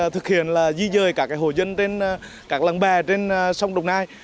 thực hiện là di dời các hồ dân trên các lăng bè trên sông đồng nai